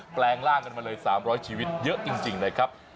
แปลงร่างกันมาเลย๓๐๐ชีวิตเยอะจริงนะครับ